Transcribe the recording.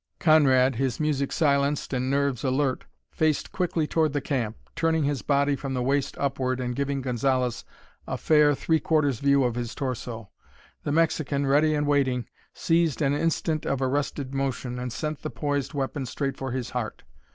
Conrad, his music silenced and nerves alert, faced quickly toward the camp, turning his body from the waist upward and giving Gonzalez a fair three quarters view of his torso. The Mexican, ready and waiting, seized an instant of arrested motion, and sent the poised weapon straight for his heart.